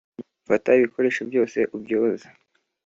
Afata ibikoresho byose ubyoze.